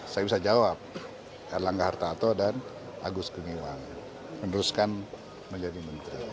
saya bisa jawab erlangga hartarto dan agus gumiwang meneruskan menjadi menteri